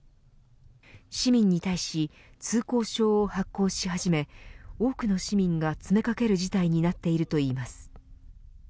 市民に対し通行証を発行し始め多くの市民が詰めかける事態になっているといいます。